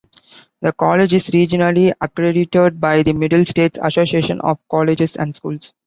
The college is regionally accredited by the Middle States Association of Colleges and Schools.